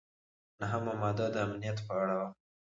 نهمه ماده د امنیت په اړه وه.